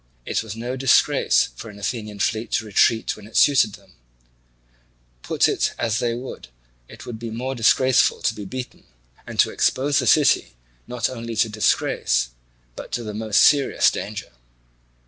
It was no disgrace for an Athenian fleet to retreat when it suited them: put it as they would, it would be more disgraceful to be beaten, and to expose the city not only to disgrace, but to the most serious danger.